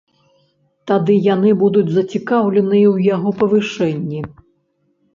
Тады яны будуць зацікаўленыя ў яго павышэнні.